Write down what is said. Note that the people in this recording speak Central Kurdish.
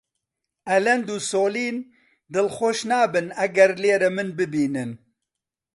ئەلەند و سۆلین دڵخۆش نابن ئەگەر لێرە من ببینن.